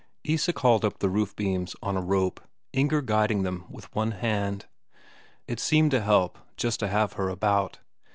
Isak hauled up the roof beams on a rope, Inger guiding them with one hand; it seemed a help just to have her about.